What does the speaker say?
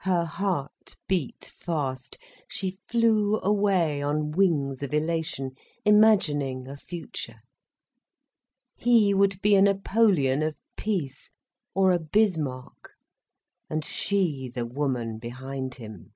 Her heart beat fast, she flew away on wings of elation, imagining a future. He would be a Napoleon of peace, or a Bismarck—and she the woman behind him.